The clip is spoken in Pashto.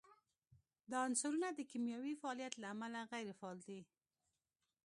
دا عنصرونه د کیمیاوي فعالیت له امله غیر فعال دي.